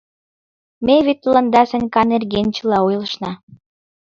Ме вет тыланда Санька нерген чыла ойлышна...